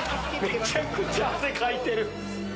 めちゃくちゃ汗かいてる。